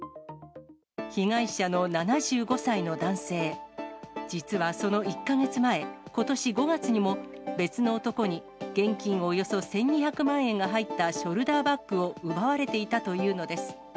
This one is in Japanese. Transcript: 被害者の７５歳の男性、実はその１か月前、ことし５月にも別の男に、現金およそ１２００万円が入ったショルダーバッグを奪われていたというのです。